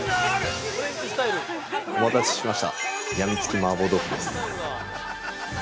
◆お待たせしました。